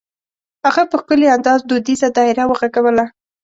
هغه په ښکلي انداز دودیزه دایره وغږوله.